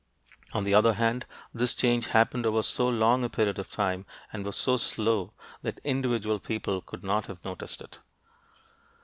On the other hand, this change happened over so long a period of time and was so slow that individual people could not have noticed it.